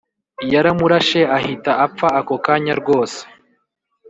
Yaramurashe ahita apfa ako kanya rwose